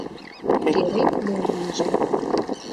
Керек-мо лийже!..